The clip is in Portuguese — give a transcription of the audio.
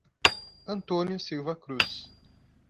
Antônio Silva Cruz